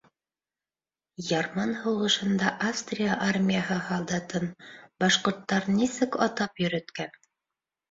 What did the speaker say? Ярман һуғышында Австрия армияһы һалдатын башҡорттар нисек атап йөрөткән?